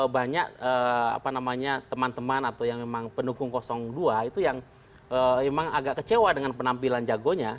banyak teman teman atau yang memang pendukung dua itu yang memang agak kecewa dengan penampilan jagonya